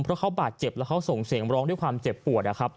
เพราะเขาบาดเจ็บแล้วเขาส่งเสียงร้องด้วยความเจ็บปวดนะครับ